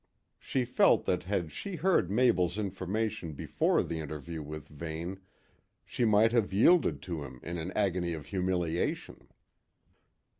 She felt that had she heard Mabel's information before the interview with Vane, she might have yielded to him in an agony of humiliation.